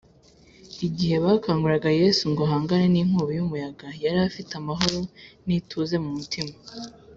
igihe bakanguraga yesu ngo ahangane n’inkubi y’umuyaga, yari afite amahoro n’ituze mu mutima